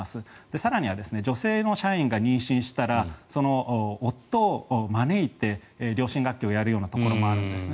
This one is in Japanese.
更には女性の社員が妊娠したらその夫を招いて両親学級をやるようなところもあるんですね。